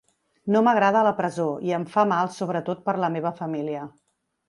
No m’agrada la presó i em fa mal sobretot per la meva família.